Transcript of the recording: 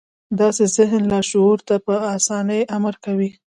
داسې ذهن لاشعور ته په اسانۍ امر کوي